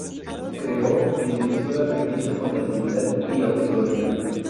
Creo y dirigió la revista "Contabilidad y Auditoría.